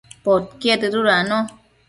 Podquied dëdudacno